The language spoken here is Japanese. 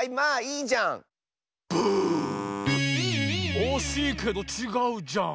おしいけどちがうじゃん！